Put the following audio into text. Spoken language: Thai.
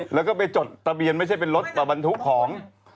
แล้วก็ไปจดทะเบียนไม่ใช่เป็นรถบรรทุกของ